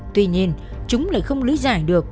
tuy nhiên chúng lại không lý giải được